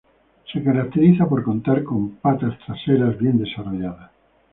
Se caracteriza por contar con patas traseras bien desarrolladas.